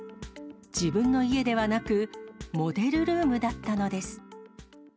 自分の家ではなく、モデルルームだったのです。